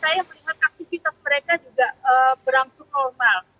saya melihat aktivitas mereka juga berangsur normal